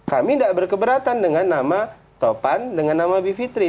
kami tidak berkeberatan dengan nama topan dengan nama bivitri